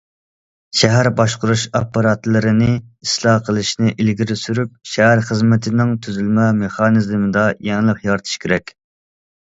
شەھەر باشقۇرۇش ئاپپاراتلىرىنى ئىسلاھ قىلىشنى ئىلگىرى سۈرۈپ، شەھەر خىزمىتىنىڭ تۈزۈلمە، مېخانىزمىدا يېڭىلىق يارىتىش كېرەك.